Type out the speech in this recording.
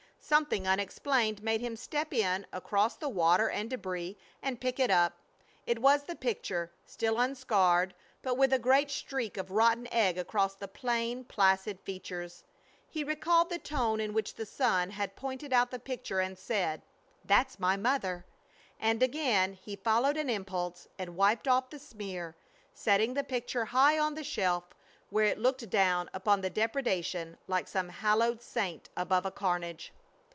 Something unexplained made him step in across the water and debris and pick it up. It was the picture, still unscarred, but with a great streak of rotten egg across the plain, placid features. He recalled the tone in which the son had pointed out the picture and said, "That's my mother!" and again he followed an impulse and wiped off the smear, setting the picture high on the shelf, where it looked down upon the depredation like some hallowed saint above a carnage.